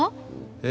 え？